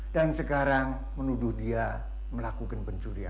dan sekarang menuduh dia melakukan pencurian